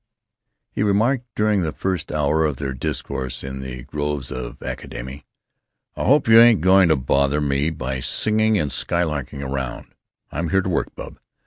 He remarked, during the first hour of their discourse in the groves of Academe: "I hope you ain't going to bother me by singing and skylarking around. I'm here to work, bub."